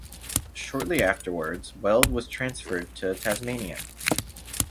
Shortly afterwards, Weld was transferred to Tasmania.